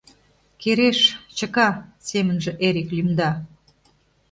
— «Кереш», «Чыка»! — семынже Эрик лӱмда.